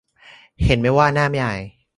เห็นมั๊ยว่าหน้าไม่อาย